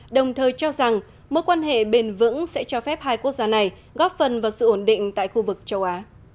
đồng thời cho rằng mối quan hệ bền vững sẽ cho phép hai quốc gia này góp phần vào sự ổn định tại khu vực châu á